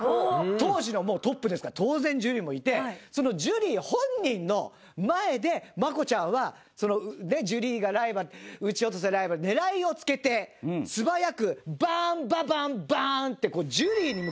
当時のトップですから当然ジュリーもいてジュリー本人の前で真子ちゃんは「ジュリーがライバル射ち落とせライバル」「狙いをつけて素早くバン・バ・バ・バン」って。